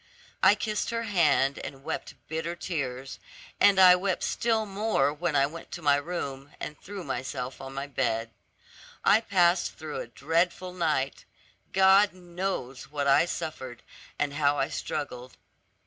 I kissed her hand, and wept bitter tears, and I wept still more when I went to my room, and threw myself on the bed. I passed through a dreadful night; God knows what I suffered, and how I struggled.